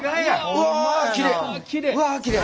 うわきれい！